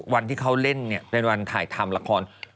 วันที่เขาเล่นเนี่ยเป็นวันถ่ายทำละคร